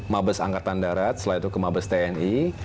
mabes angkatan darat setelah itu ke mabes tni